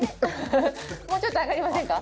もうちょっと上がりませんか？